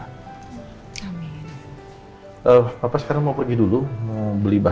alternatif sekarang mau pergi dulu beli bahan bahan buat yang kita kasih besok